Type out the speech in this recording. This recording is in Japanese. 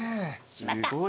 すごい。